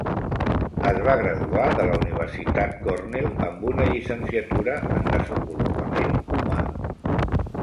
Es va graduar de la Universitat Cornell amb una llicenciatura en Desenvolupament Humà.